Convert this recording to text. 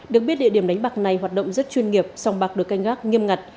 được biết địa điểm đánh bạc này hoạt động rất chuyên nghiệp song bạc được canh gác nghiêm ngặt